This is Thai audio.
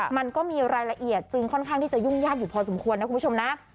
มันก็มีรายละเอียดจึงค่อนข้างที่จะยุ่งยากอยู่พอสมควรนะคุณผู้ชมนะ